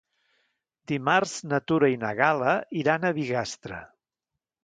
Dimarts na Tura i na Gal·la iran a Bigastre.